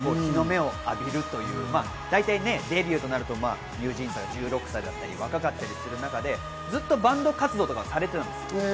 ３３歳で日の目を浴びるという、大体デビューとなると、ＮｅｗＪｅａｎｓは１６歳だったり若かったりする中で、ずっとバンド活動とかをされてたんです。